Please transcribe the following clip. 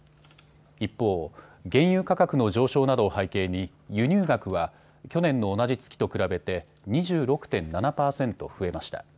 一方、原油価格の上昇などを背景に輸入額は去年の同じ月と比べて２６．７％増えました。